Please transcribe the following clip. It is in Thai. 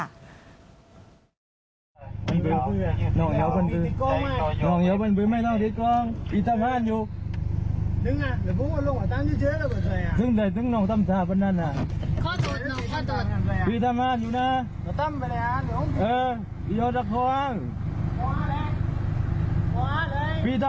อันนี้ค่ะคุณผู้ชมเป็นคลิป